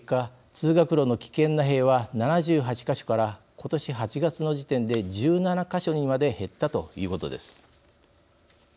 通学路の危険な塀は７８か所から今年８月の時点で１７か所にまで減ったということです。